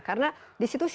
karena disitu sih